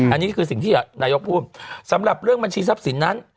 อันนี้คือสิ่งที่นายกพูดสำหรับเรื่องบัญชีทรัพย์สินนั้น